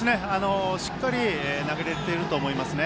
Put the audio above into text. しっかり投げれていると思いますね。